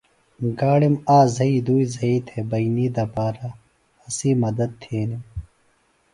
گاڑِم آک زھئی دُئی زھئی تھےۡ بئنی دپارہ اسی مدد تھینِم۔